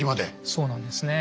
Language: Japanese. そうなんですね。